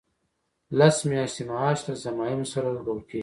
لس میاشتې معاش له ضمایمو سره ورکول کیږي.